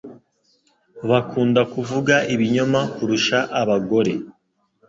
bakunda kuvuga ibinyoma kurusha abagore